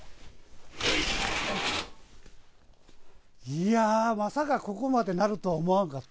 いやー、まさかここまでなるとは思わんかった。